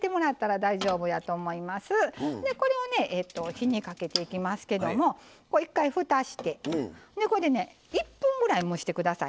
火にかけていきますけども一回ふたしてでこれでね１分ぐらい蒸して下さい。